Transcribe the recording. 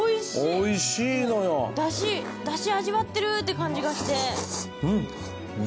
おいしいのよ。だし味わってるって感じがして。